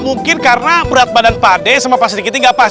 mungkin karena berat badan pak de sama pak stigiti nggak pas